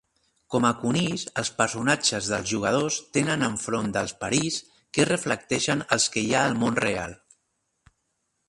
Com a conills, els personatges dels jugadors tenen enfront dels perills que reflecteixen els que hi ha al món real.